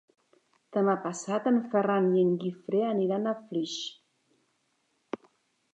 Demà passat en Ferran i en Guifré aniran a Flix.